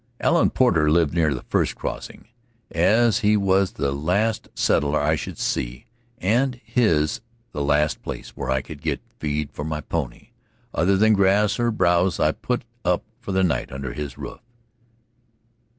Allan Porter lived near the first crossing. As he was the last settler I should see and his the last place where I could get feed for my pony, other than grass or browse, I put up for the night under his roof.